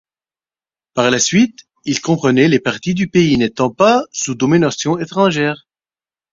Par la suite, il comprenait les parties du pays n'étant pas sous domination étrangère.